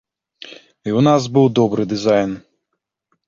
І ў нас быў добры дызайн.